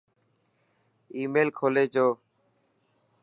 آي ميل کولي جو